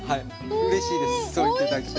うれしいですそう言って頂けて。